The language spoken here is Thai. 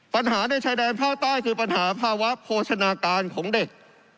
ปัญหาในชายแดนภาคใต้คือปัญหาภาวะโภชนาการของเด็ก